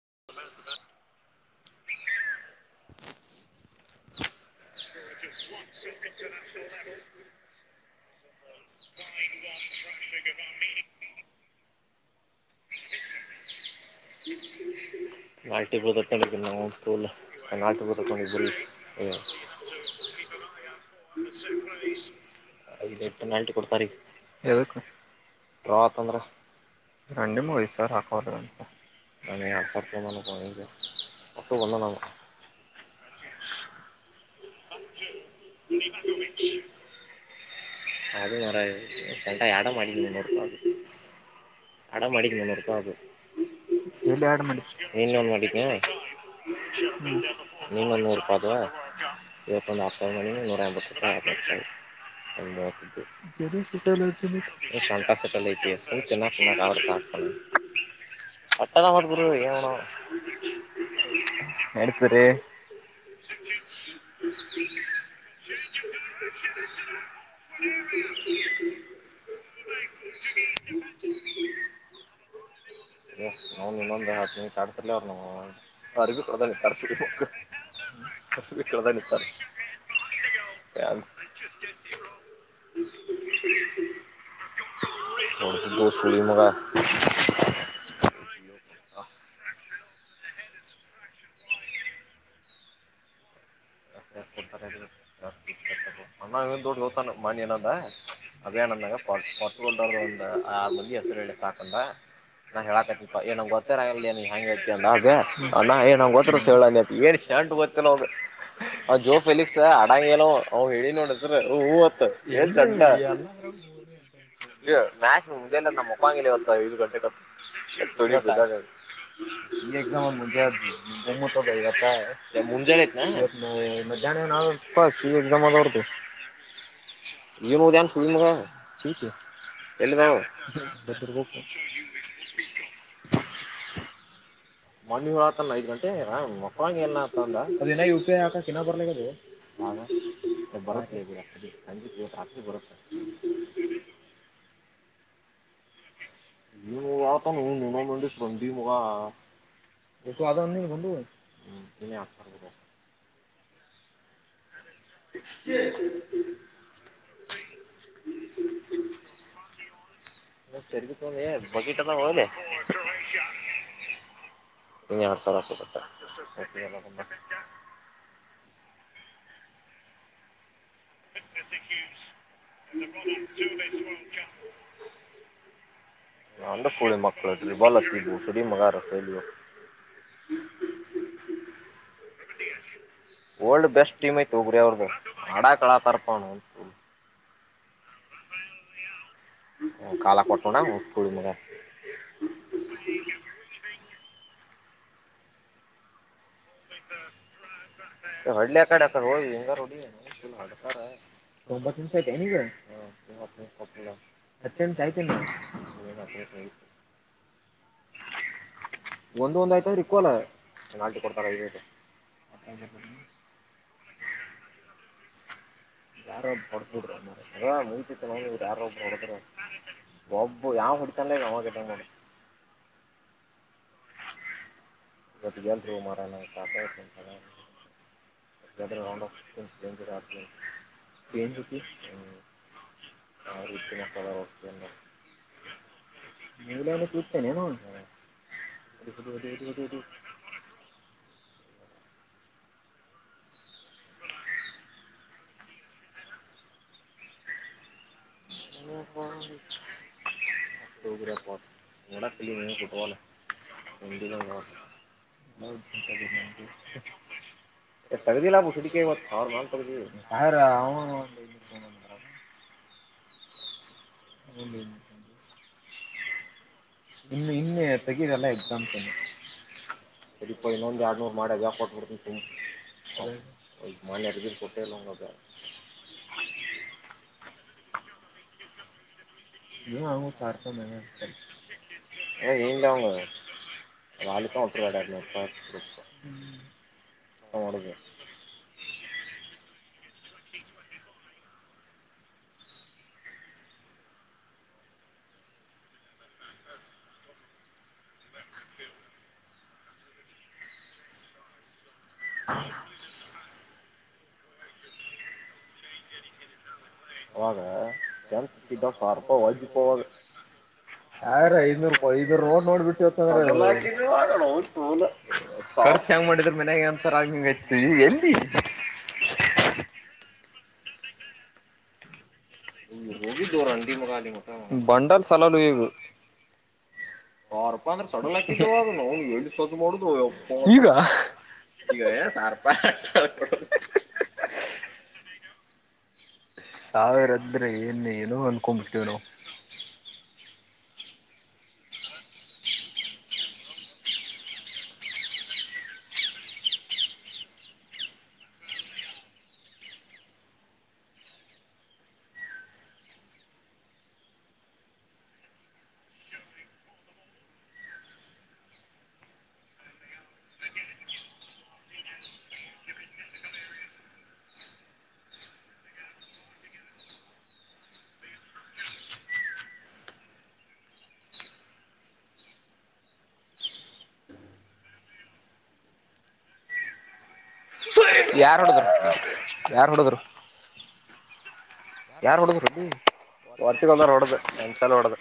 [unintelligible] [inaudible] [inaudible] [inaudible] [unintelligible] [inaudible] I ಎಂಟು ನಲ್ಟಿ ಕೊಡ್ತಾರ ಯದಕ್ಕಾ. ಡ್ರಾ ಆಯ್ತಂದ್ರೆ ರಂಡಿ ಮಗ ಐದು ಸಾವಿರ ಹಾಕುವ ದಿನ ಅಂತಾ. [unintelligible] [inaudible] ಅದ ಮರ ಸೆಟಾ ಎಡ ಮಾಡಡಿಕನನರ್ ಅದು [unintelligible] ಅಡ ಮಾಡಡಿಿಕ ಮರೆಪದು ಎಲ್ಲಿ ಅಡ ಮಾಡ [unintelligible] ಮೀನು ಒಂದ ಅಡಿಕ ಮೀನು ಒಂದಊರು [unintelligible] ಇವತ್ತೊಂದು ಆರು ಸಾವರ ಮಣಿ ನೂರ ಎಂಬತ್ತು ರೂಪಾಯ [unintelligible] ಸಂತ [unintelligible] ಅಟ್ಟದ ಹೊದ ಗುರು ನ [unintelligible] ಎಡುತರ [unintelligible] ಹ [unintelligible] [inaudible] [unintelligible] [unintelligible] ನಿತಾರೆ [unintelligible] ಹಗ ಸಳ ಮುಂಗ [unintelligible] [inaudible] [unintelligible] ನ ಪಟ್ಟಗೊಂಡ ಒಂದು ಆ ಮಂದಿ ಹೆಸರು ಹೇಳಳ್ಳಿ ಸಾಕಂಡ. ನಾನ್ ಹೇಳಾಕತಿಪಾಏ ನಂಗ್ ಗೊತ್ತತರ ಎಲ್ಲೇ ನೀ ಹೆಂಗ ಐತಿ ಅ ಅ್ಣ ಏನ್ ನಂಗ್ ಗೊತ್ತಿ ಹೇಳಏ. ಚ್ಯಾಂಟು ಗೊತ್ತಿಲ್ಲ ಹೋಗ. ಜೋ ಫೆಲಿಕ್ಸ್ ಅಡಾಂಗ ಏನೋ ಅವ್ ಹೇಳಿ ನೋಡಸ್ರ ಹೂವತ್ ಚ [unintelligible] ಮ್ಯಾಶ ಮುಂಜೆಲ್ಲ ನಮ್ಮ್ ಮುಪ್ಪಾಂಗಲಿ ಇತ್ತು ಐದು ಗಂಟೆ [unintelligible] [inaudible] ಮಧ್ಯಾಹನ ನ [unintelligible] [unintelligible] ಎಲ್ಲಿ [unintelligible] ಮಂಡಿ ಹಳಾತಲ್ಲ ಐ್ ಗಂಟೆ ಮಕ್ಳಂಗ ಎಏನತಂದ ಅದಿನ ಉಪ್ಪಿ ಹಾಕಕನ್ನ ಬರ್ಲಿಕ್ಕ ಅದು ನ ಬರ ಆ ಬರ [inaudible] ನೀತ ನೀ ನಿನ ಮಂದಿ ಶಂದಿ ಮಗ ಇಟ್ಟು ಅದಂದ ಕೊೊಂಡ ಹ್ಮ ಸರಿ ಸರಿ ಸ್ಮ ಹ್ಮ್ ಹ್ಮ್ ಬ ತೆರಿ ಕ ಬಗ ಹ ಇನ್ನ ಹ ಸಾಲಕ ಪಟ್ಟ ಎ ನಚ ನಂದ ಕೋಳಿ ಮಕ್ಕಳುದ ಬಲತ್ತಿದವು ಸುುದೀಮಗಾರವು ಹ್ಮ್ ಹ್ಮ್ ಹ್ಮ್ ವರ್ಲ್ಡ್ ಬೆಸ್ಟ್ ಟೀಮ್ ಐತ ಒೋಗಗ್ರಿ ಅವ್ರ್ದು ಮಾಡಾ ಕಳತರ್ಪಣ ಕಾಲ ಕೊಟ್ಟೋಣ ಮುಚ್ಚುಳ [inaudible] ಹೊಳ್ಳೆಯ ಕಡಕ ರೋಜ ಹಂಗ ರೋಡಿನು ಹತ ತಂಬಾಸ ಚಯತನಗ ಒ ಸತ್ಯಂ ಸಾಯಿತೆ ಹೌತ ಒಂದ ಒಂದ್ ಆಯ್ತ ಅಂದ್ರೆ ಇಕ್ವಲ್ ಪೆಲ್ಟಿ ಕೊಡ್ತ ಅತ್ತ ಯಾರ ಒಬ್ಬ ಹೊಡಬ ಬಿಡ್ರ ಮ ಮುತಿ ಯಾರ ಒಬ್ ಹೊಡದ್ರ ಒಬ್ಬು ಯಾವ ಕುಡಿತೊಂಡ ಅವ ಕೆಟ್ಟಡಿ ಇವತ್ತು ಗಲ್ ಮರಣಪಟ ಎೌಂಡ್ಂ ಆ ರುಟ್ಟಿ ಮಸಾಲ ವತನ್ನ ನೀ ಮ ತುತನೆ ನ ಮೂ ಅಷ್ಟೌಪರ ನಿ ಅಿಲ್ಲಿಫುಟ್ಬಳ ಎಂದಿನ ಹೌದಂತನಂು ಎ ತಗದಿಲ್ಲಾಪ್ಪ ಸಿಿಕ ಅವರು ಮಾಡಾ ತಗದ ಸಾರ ಅವನು ಹ [inaudible] ಇನ್ನು ಇನ್ನೆ ತೆಗೀದೆಲ್ಲ ಎಕ್ಸಾಮಸನು ಇಪ್ಪ ಇನ್ನೊಂದ್ ಎರಡ್ ನೂರ್ ಮಾಡಿ ಕೊಟ್ಟಿ ತು ಮನ್ ಕೊಟ್ಟ ಲಂಗಬಾದ ನೀ ಹಂಗ ತಾರ್ತ ಮ ಸ ಅಲ್ಲ ಏನ್ಲ್ಲ ಅವಂಗ ನಾಾಲಕ ಒಟ್ಟಡ ಎಪ್ಪ [inaudible] ಹ ಹ ಅವಾಗ ನಿ ಸಾಾರಪ ವಜಿವಾಗ ಯಾರ ಐನೂರು ಐನೂರು ರ ನೋಡ್ಬಿಟ್ಟಿ ಇತ್ತಂದ್ರ ಖರ್ಚ ಹೆಂಗ್ ಮಾಡಿದ್ರರು ಮನ್ಯಾಗ ಅಂತ ರ್ಮಂಗ ಇತ ಎಲ್ಲಿ ೋಗ ಬಂಡಾರ ಸಲಲುಯಗ ಸಾರಪ್ಪ ಅಂದ್ರೆ ಸಡಲ್ಾಕ ನನ್ ಎಿ ಸ್ವತ್ತು ಮಾಡುದು ಈಗ ಈಗ ಸಾರ್ಪ ಸಾವಿರದ್ರೆ ಏನ್ ಏನುೋ ಅನ್ಕೊಂಬಿಡ್ಟ್ಟೀವ್ ನಾ ಯಾರ ಯಾರ್ು ಹೊಡದು ರರುಜಿ ವರ್ಚಗಂದಾರ ಹೊಡ್ದ ನನ್ಸಾಲ ಹೊಡ್ದ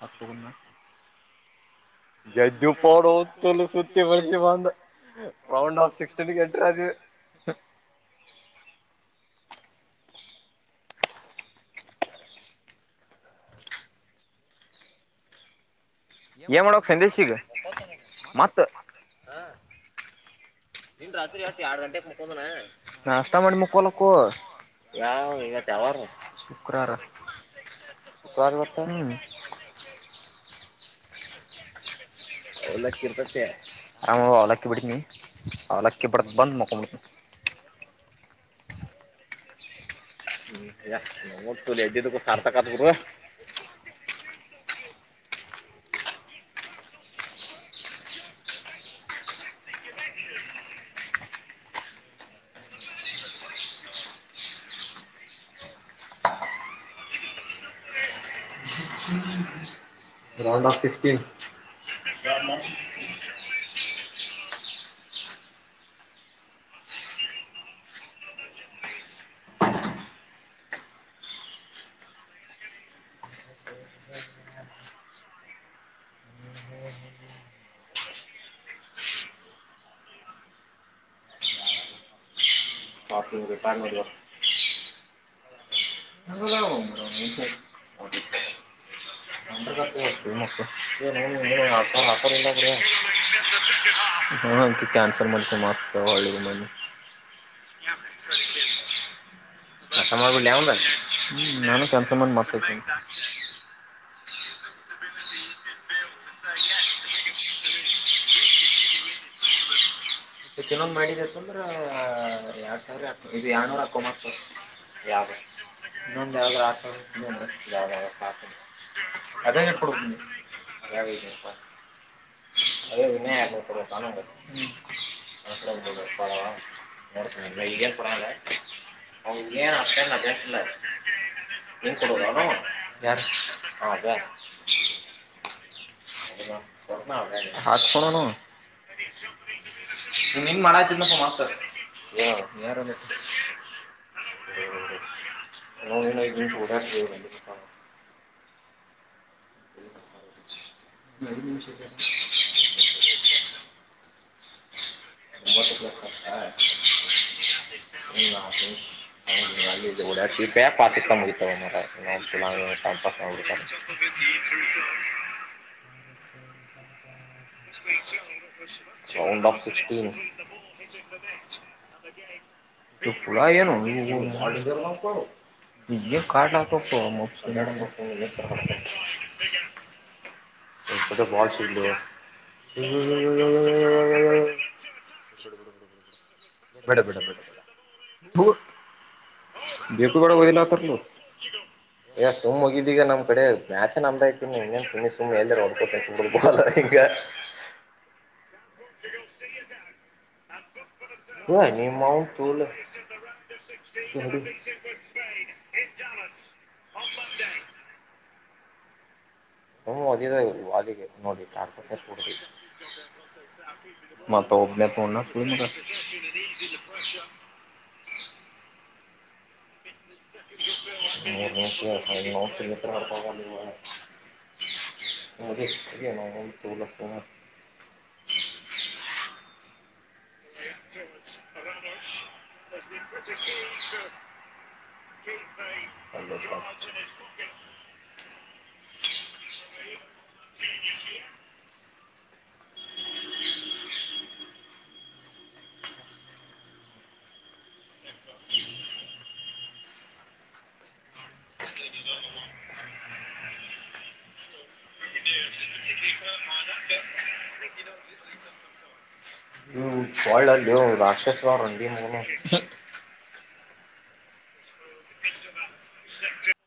ಹತಕಗನ್ನ [inaudible] ಎದ್ದು ಪಾಡ ಹದ್ತಲ್ಲ ಸುತ್ತಿ ಬಸಿ ಬಂದ [inaudible] ರೌಂಡ್ಫ್ ಸಿಕ್ಸ್ಟ ಕೆಟ್ಟ ಅ [inaudible] ಏನ್ ಮಾಡೋಕ್ ಸಂದೇಶ ಸಿಗ ಮತ್ತ [inaudible] ನಿನ್ ರಾತ್ರಿಷ್ಟ ಆರಡ್ ಗಂಟೆಗೆ ಮುಕೊಂಡನ ನಾಸ್ ಮಾಡಿ ಮುಕ್ಕಲಕ್ಕು [inaudible] ಯಾವ ಇವತ್ತು ಯಾವಾರ ಶುಕ್ರವಾರ ತಾರ ಮತ [inaudible] ಅವಲಕ್ಕಿ ಇರ್ತ ಆರಾಮ ಅವಲಕ್ಕಿ ಬಿಡ್ತೀನಿ ಅವಲಕ್ಕಿ ಬಿಡ್ದ ಬಂದು ಮಕೊಂಡ್ಬಿಡ್ನಿ [inaudible] ಹ್ಮ್ ಎಜ್ದಿದ್ದಕ್ಕೂ ಸಾರ್ಥಕತ್ ಗರು [inaudible] ರೌಂಡ್ ಆಫ್ ಶಿಫ಼್ಟ್ನ [inaudible] [unintelligible] ನ [inaudible] ಹೇಕ [inaudible] ಮಂಡ ಕತ್ತ [inaudible] ಕನ್ಸಲ್ ಮ ಮಾ್ತ ಹಳ್ಳದು ಮನೆ [inaudible] ಯ [inaudible] ಕಮರ್ ಹ್ಮ ನಾನು ಕೆನ್ಸ ಮಾಡಂದ್ ಮಾಡ್ತಾತೇಿ [inaudible] ಇ ತಿನ್ನೊಂದ್ ಮಾಡಿದಕಂದ್ರ ಎರಡ್ ಸಾವಿರ ಇದು ಎರ್ನೂರ ಹಾಕೊಂಬ ಹ [inaudible] ಇನ್ನೊಂದು ಯಾವ ಆ ಇನ್ನೊ ಯ ಅದ ಕೊಡ ಅ ಅದೇ ವಿನಯ ಆ ಕಡ ತಾನ [inaudible] ನೋಡ್ ಇದೇನ್ ಪಡ [inaudible] ಹಂಗ ಅತ್ತಲ್ಲ ಅದಲ್ಲ [inaudible] ಏನ್ ಕೊಡ ಯಾರ ಹಾ ಯಾರ [inaudible] ಹತ್ ಕೊಡೋಣ ನಿನ್ ಮಳ ಆ್ತನ್ಪ್ಪ ಮಾಡ್ತಾರೆ ಏ ನೀ ಯಾರ ಒ [inaudible] ಹ ನ ಚೂಡ [inaudible] [unintelligible] ನ ನಿಷಲ್ಲ [inaudible] ಒಂಬಟ್ಟಲ [inaudible] ಹ್ಮಡ ಶಪ ಪತಿತ ಮುತವೆ ಮ್ರ [inaudible] ಟೈಸ್ [inaudible] [unintelligible] ಸೌಂಡ್ ಡಫ ಸಟೀನ್ ಪುಲಏನು ನೀ ಮಾಡ ಕೊ ಇ ಕಾಡ ತಪ್ಪ ಇಪ್ಪ ಬಳ ಸಿೀಲಿ [inaudible] ಹ್ಮ [inaudible] ಬಡ ಬಡ ಬ ಬೇಕು ಕಡ ಹದಿಲ್ಲತಲು [inaudible] ಈಗ ಸುಮ್ ಹೋಗಿದ್ದ ಈಗ ನಮ್ಮ್ಡ ಮ್ಯಾಚ ನಮ್ದಾಯ್ತು ನೀ ಇನ್ನೇನ್ ಸುಿ ಸುಮ್ ಎದಡ್ಬ ಕ [inaudible] ಹ ನೀಮ ತುಲ [inaudible] ಚ ಬ [inaudible] ತುಂಬಾ ಒದಿದ ವಾಲಿಗೆ ನೋಡಿಡ ತೋಬ ತನ್ನ ಸ ನೀ ಎ ಮಾಡ ಮ ನಲ್ಲ ಸ [inaudible] ಹ ಕ ಸ್ ಕ ಹ ರಿ ಅಯ್ಯೋ ಕಷ ಮಾ ಹೂ ಹಳ್ಳಲ್ಲೋ ರಾಕ್ಷಸವರಂದನು ಮನ ಹ